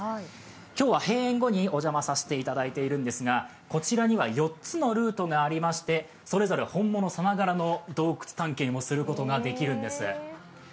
今日は閉園後にお邪魔させていただいているんですがこちらには４つのルートがありまして、それぞれ本物さながらの洞窟探検をすることができるんです。